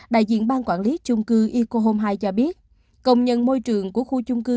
đại diện bang quản lý chung cư ico home hai cho biết công nhân môi trường của khu chung cư